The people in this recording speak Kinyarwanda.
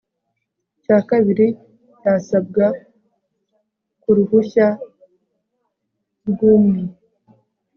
cya kabiri cy'asabwa ku ruhushya rw'umwi